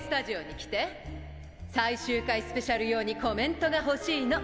最終回スペシャル用にコメントが欲しいの。